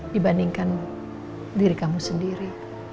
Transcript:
dibandingkan diri kamu sendiri